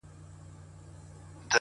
• زما د زړه په هغه شين اسمان كي؛